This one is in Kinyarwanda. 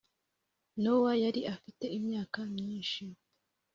Nowa yari afite imyaka myinshi